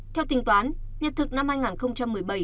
theo tính toán nhật thực năm hai nghìn một mươi bảy